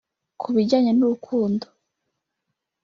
Ku bijyanye n’urukundo